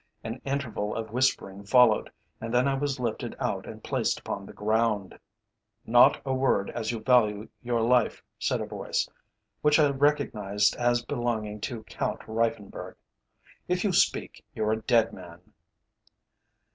An interval of whispering followed, and then I was lifted out and placed upon the ground. "'Not a word as you value your life,' said a voice, which I recognised as belonging to Count Reiffenburg. 'If you speak, you're a dead man.'